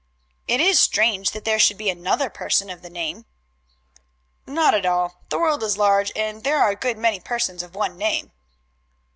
"It is strange that there should be another person of the name." "Not at all. The world is large, and there are a good many persons of one name."